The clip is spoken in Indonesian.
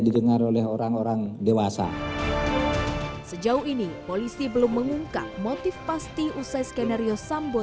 didengar oleh orang orang dewasa sejauh ini polisi belum mengungkap motif pasti usai skenario sambo